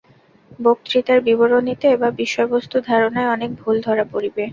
বক্তৃতার বিবরণীতে বা বিষয়বস্তু ধারণায় অনেক ভুল ধরা পড়িবে।